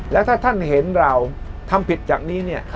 แล้วถ้าท่านเห็นเราทำผิดจากนี้เนี่ย